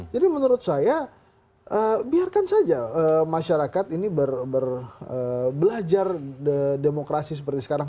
jadi menurut saya biarkan saja masyarakat ini berbelajar demokrasi seperti sekarang